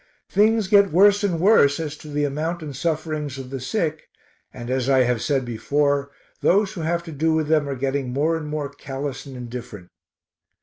Things get worse and worse, as to the amount and sufferings of the sick, and as I have said before, those who have to do with them are getting more and more callous and indifferent.